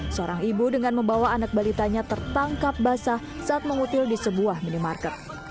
seorang ibu dengan membawa anak balitanya tertangkap basah saat mengutil di sebuah minimarket